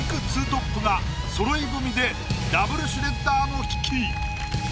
２トップがそろい踏みでＷシュレッダーの危機！